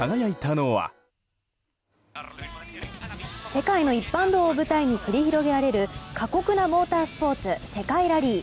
世界の一般道を舞台に繰り広げられる過酷なモータースポーツ世界ラリー。